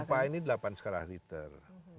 gempa ini delapan skarah liter